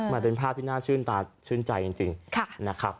มันเป็นภาพที่น่าชื่นตาชื่นใจจริงนะครับ